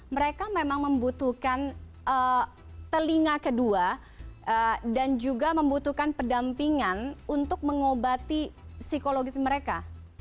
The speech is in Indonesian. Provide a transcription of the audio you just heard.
mereka memang membutuhkan telinga kedua dan juga membutuhkan pendampingan untuk mengobati psikologis mereka